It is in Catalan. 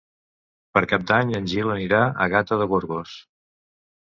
Per Cap d'Any en Gil anirà a Gata de Gorgos.